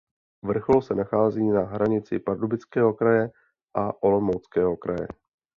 Vrchol se nachází na hranici Pardubického kraje a Olomouckého kraje.